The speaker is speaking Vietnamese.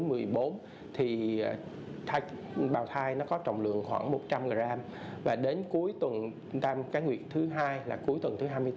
nó sẽ rơi vào tầm khoảng một trăm linh g và đến cuối tuần tam cá nguyệt thứ hai là cuối tuần thứ hai mươi tám